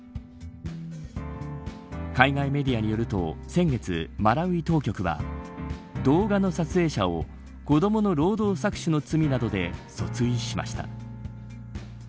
海外メディアによると先月マラウイ当局は、動画の撮影者を子どもの労働搾取の罪などで訴追しました。